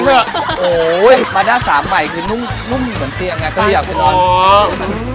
เถอะโอ้ยมาด้านสามใหม่คือนุ่มนุ่มเหมือนเตียงอ่ะก็เหยียบ